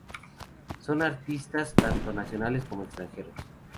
Son artistas tanto nacionales como extranjeros.